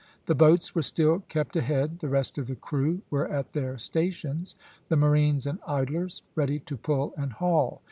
The boats were still kept ahead; the rest of the crew were at their stations, the marines and idlers ready to pull and haul.